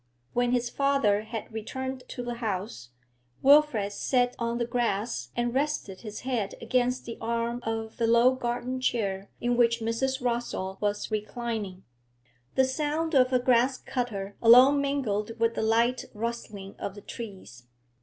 When his father had returned to the house, Wilfrid sat in the grass and rested his head against the arm of the low garden chair in which Mrs. Rossall was reclining. The sound of a grass cutter alone mingled with the light rustling of the trees.